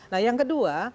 nah yang kedua